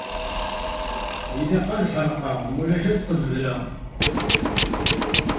Ilaq ad ḥerrekeɣ mulac ad qezbeleɣ!